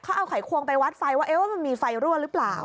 เขาเอาไขควงไปวัดไฟว่ามันมีไฟรั่วหรือเปล่า